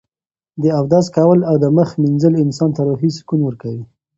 د اودس کول او د مخ مینځل انسان ته روحي سکون ورکوي.